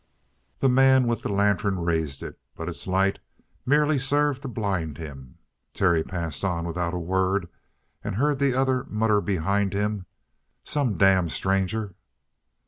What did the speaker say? The man with the lantern raised it, but its light merely served to blind him. Terry passed on without a word and heard the other mutter behind him: "Some damn stranger!"